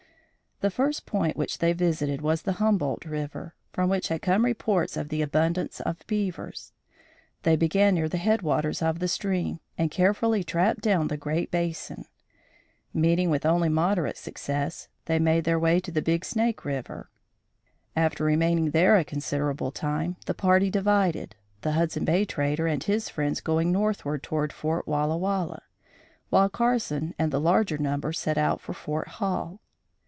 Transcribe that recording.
The first point which they visited was the Humboldt River, from which had come reports of the abundance of beavers. They began near the head waters of the stream, and carefully trapped down to the Great Basin. Meeting with only moderate success, they made their way to Big Snake River. After remaining there a considerable time, the party divided, the Hudson Bay trader and his friends going northward toward Fort Walla Walla, while Carson and the larger number set out for Fort Hall.